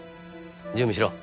準備しろ。